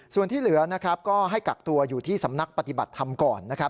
ส่วนที่เหลือก็ให้กักตัวอยู่ที่สำนักปฏิบัติธรรมก่อน